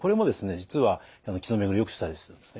実は血の巡りをよくしたりするんですね。